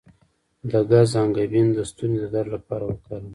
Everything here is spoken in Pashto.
د ګز انګبین د ستوني د درد لپاره وکاروئ